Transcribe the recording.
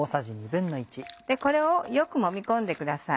これをよくもみ込んでください。